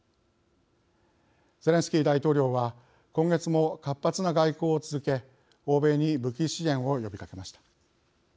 ゼレンスキー大統領は今月も活発な外交を続け、欧米に武器支援を呼びかけました。